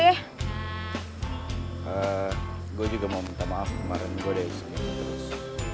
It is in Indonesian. eee gue juga mau minta maaf kemarin gue udah bisa ngikutin terus